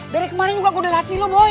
dari kemaren juga gue udah latih lo boy